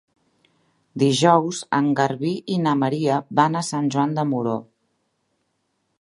Dijous en Garbí i na Maria van a Sant Joan de Moró.